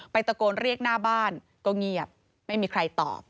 ตะโกนเรียกหน้าบ้านก็เงียบไม่มีใครตอบ